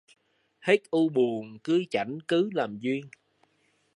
Hết u buồn cứ chảnh cứ làm duyên